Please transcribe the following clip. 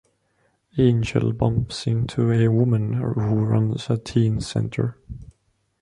Angel bumps into a woman who runs a teen center.